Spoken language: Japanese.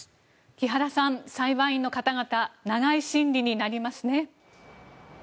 木原さん、裁判員の方々長い審理になりますね。